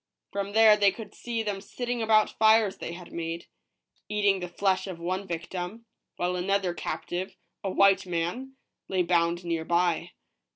From there they could see them sitting about fires they had made, eating the flesh of one victim, while another captive, a white man, lay bound near by.